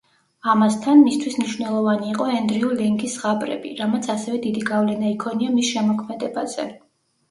ამასთან, მისთვის მნიშვნელოვანი იყო ენდრიუ ლენგის ზღაპრები, რამაც ასევე დიდი გავლენა იქონია მის შემოქმედებაზე.